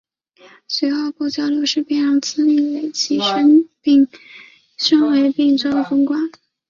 随后不久刘世让便以资历累积升为并州总管。